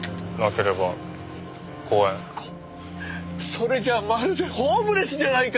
それじゃあまるでホームレスじゃないか！